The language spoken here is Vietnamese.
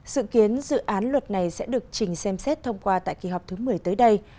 sự kiến dự án luật này sẽ được trình xem xét thông qua tại kỳ họp thứ một mươi tới đây